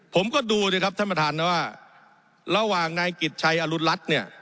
ผมก็ดูสิครับท่านประธานนะว่าระหว่างนายกิจชัยอรุณรัฐเนี่ย